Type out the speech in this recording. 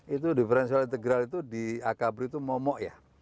itu differential integral itu di akabri itu momok ya